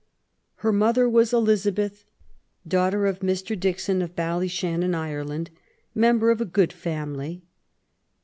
Her mother was Elizabeth, daughter of a Mr. Dixon, of Ballyshannon, Ireland, member of a good family.